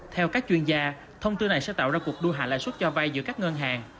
theo các chuyên gia thông tư này sẽ tạo ra cuộc đua hạ lãi suất cho vay giữa các ngân hàng